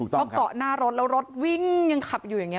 เพราะเกาะหน้ารถแล้วรถวิ่งยังขับอยู่อย่างนี้